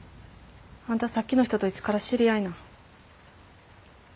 あんたさっきの人といつから知り合いなん？